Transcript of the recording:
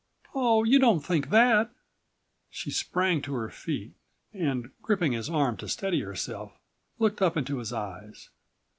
"Oh, you don't think that!" She sprang to123 her feet and, gripping his arm to steady herself, looked up into his eyes.